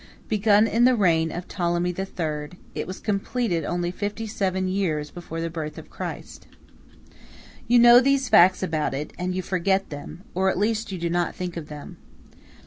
Begun in the reign of Ptolemy III., it was completed only fifty seven years before the birth of Christ. You know these facts about it, and you forget them, or at least you do not think of them.